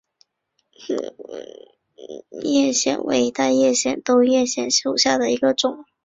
兜叶藓为带藓科兜叶藓属下的一个种。